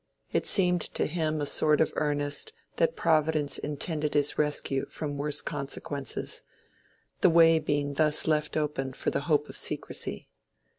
It seemed to him a sort of earnest that Providence intended his rescue from worse consequences; the way being thus left open for the hope of secrecy.